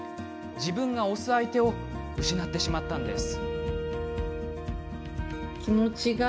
自分が推す相手を失ってしまったんです。